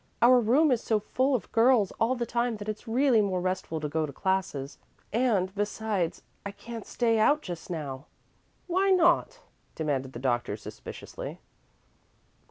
"Our room is so full of girls all the time that it's really more restful to go to classes; and, besides, I can't stay out just now." "Why not?" demanded the doctor, suspiciously.